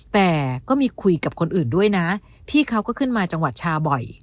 แต่ก็มีคุยกับคนอื่นด้วยนะพี่เขาก็ขึ้นมาจังหวัดชาบ่อย